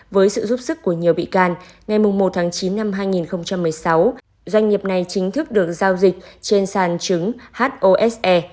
với sự giúp sức của nhiều bị can ngày một tháng chín năm hai nghìn một mươi sáu doanh nghiệp này chính thức được giao dịch trên sàn chứng hose